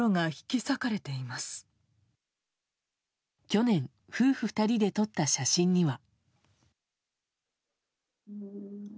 去年、夫婦２人で撮った写真には。